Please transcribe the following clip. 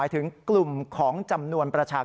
ตอนต่อไป